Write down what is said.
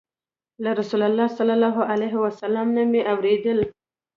له رسول الله صلى الله عليه وسلم نه مي واورېدل